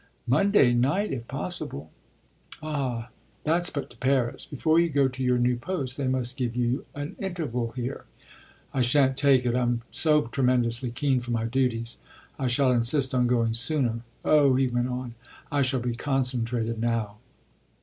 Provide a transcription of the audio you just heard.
"Monday night if possible." "Ah that's but to Paris. Before you go to your new post they must give you an interval here." "I shan't take it I'm so tremendously keen for my duties. I shall insist on going sooner. Oh," he went on, "I shall be concentrated now."